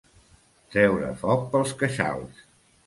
Treure foc pels queixals.